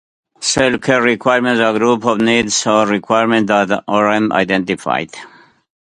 Self-care requisites are groups of needs or requirements that Orem identified.